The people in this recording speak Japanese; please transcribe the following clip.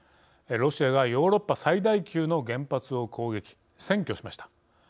ロシアがヨーロッパ最大級の原発を攻撃、占拠しました。